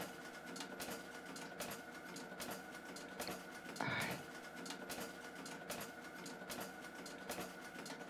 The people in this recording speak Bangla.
জাতীয় পরিষদ কুয়েত সিটিতে অবস্থিত।